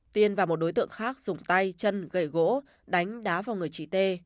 tiên và một đối tượng khác dùng tay chân gậy gỗ đánh đá vào người chị t